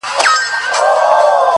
چي پکي روح نُور سي” چي پکي وژاړي ډېر”